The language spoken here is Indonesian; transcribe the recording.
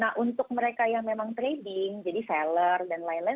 nah untuk mereka yang memang trading jadi seller dan lain lain